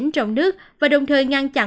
trong nước và đồng thời ngăn chặn